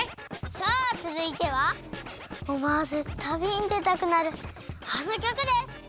さあつづいてはおもわずたびにでたくなるあのきょくです！